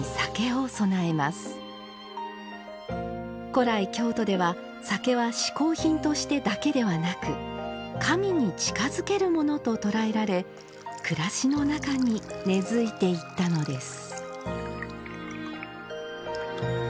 古来京都では酒は嗜好品としてだけではなく神に近づけるものと捉えられ暮らしの中に根づいていったのです